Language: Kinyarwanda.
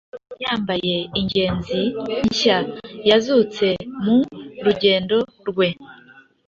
yambaye ingenzi nshya yazutse mu rugendo rwe.